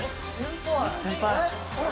先輩！